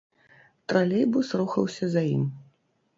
Тралейбус рухаўся за ім.